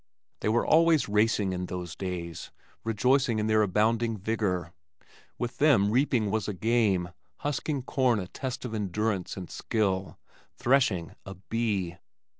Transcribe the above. They were always racing in those days, rejoicing in their abounding vigor. With them reaping was a game, husking corn a test of endurance and skill, threshing a "bee."